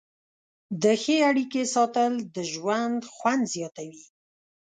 د ښې اړیکې ساتل د ژوند خوند زیاتوي.